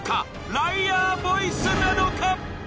［ライアーボイスなのか？］